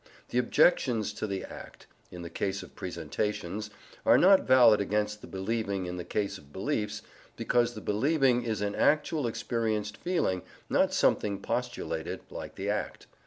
The objections to the act (in the case of presentations) are not valid against the believing in the case of beliefs, because the believing is an actual experienced feeling, not something postulated, like the act.